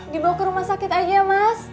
dibawa ke rumah sakit aja mas